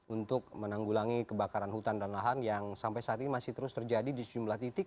untuk menanggulangi kebakaran hutan dan lahan yang sampai saat ini masih terus terjadi di sejumlah titik